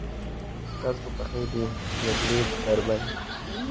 د څاڅکو پښې دي یبلې بربنډې